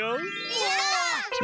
やった！